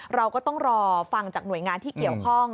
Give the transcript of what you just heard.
เราก็ต้องรอฟังจากหน่วยงานที่เกี่ยวข้อง